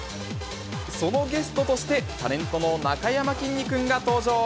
そのゲストとして、タレントのなかやまきんに君が登場。